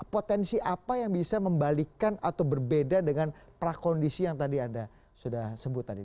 potensi apa yang bisa membalikan atau berbeda dengan prakondisi yang tadi anda sudah sebut tadi